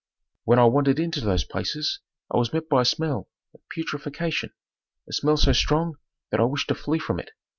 "When I wandered into those places I was met by a smell of putrefaction, a smell so strong that I wished to flee from it.